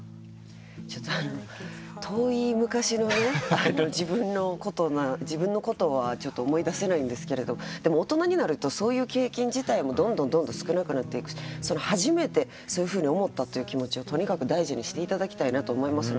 ちょっと遠い昔のね、自分のことは思い出せないんですけど大人になるとそういう経験自体もどんどんどんどん少なくなっていくし初めてそういうふうに思ったという気持ちをとにかく大事にしていただきたいなと思います。